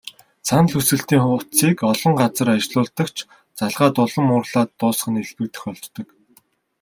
Санал хүсэлтийн утсыг олон газар ажиллуулдаг ч, залгаад улам уурлаад дуусах нь элбэг тохиолддог.